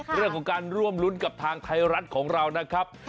เรื่องของการร่วมรุ้นกับทางไทยรัฐของเรานะครับ